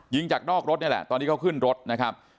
จากนอกรถนี่แหละตอนที่เขาขึ้นรถนะครับ